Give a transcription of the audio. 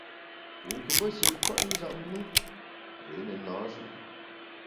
Wu kù mbe shi kwet njap me, rié ne na-shu.